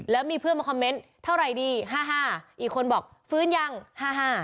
แล้วมีเพื่อนมาคอมเมนต์เท่าไหร่ดีห้าห้าอีกคนบอกฟื้นยังห้าห้า